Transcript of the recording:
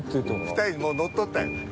２人もう乗っとったんよ。